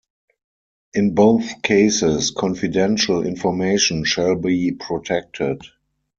In both cases confidential information shall be protected.